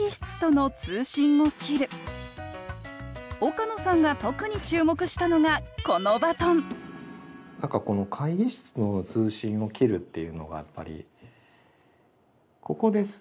岡野さんが特に注目したのがこのバトン何かこの「会議室の通信を切る」っていうのがやっぱり。